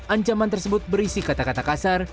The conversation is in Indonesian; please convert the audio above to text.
ancaman tersebut berisi kata kata kasar